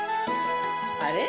あれ？